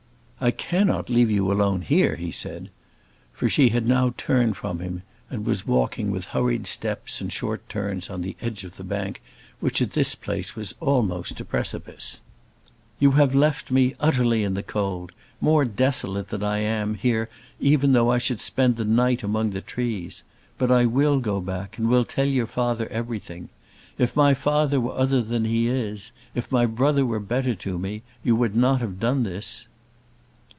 "I cannot leave you alone here," he said, for she had now turned from him, and was walking with hurried steps and short turns on the edge of the bank, which at this place was almost a precipice. "You have left me, utterly in the cold more desolate than I am here even though I should spend the night among the trees. But I will go back, and will tell your father everything. If my father were other than he is, if my brother were better to me, you would not have done this."